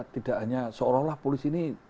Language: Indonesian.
tidak hanya seolah olah polisi ini